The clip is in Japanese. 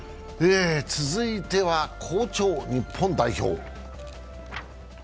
続いては好調・日本代表。